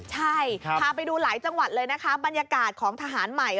ใช่ภาพย์ไปดูหลายจังหวัดบรรยากาศของทหารใหม่